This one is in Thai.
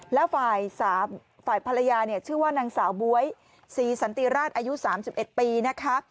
แล้วฝ่ายภรรยาเนี่ยชื่อว่านางสาวบ๊วยศรีสันติราชอายุ๓๑ปีนะคะ